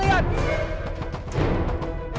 bella beno keluar kalian